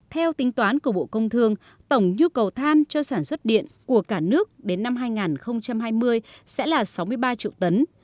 theo tính toán của bộ công thương tổng nhu cầu than cho sản xuất điện của cả nước đến năm hai nghìn hai mươi sẽ là sáu mươi ba triệu tấn